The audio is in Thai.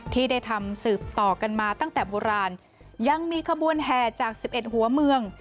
ที่ได้ทำสืบต่อกันมาตั้งแต่โบราณยังมีขบวนแห่จาก๑๑หัวเมือง